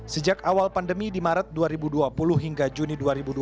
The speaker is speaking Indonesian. sejak awal pandemi di maret dua ribu dua puluh hingga juni dua ribu dua puluh